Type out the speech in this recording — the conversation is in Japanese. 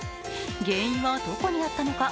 原因はどこにあったのか。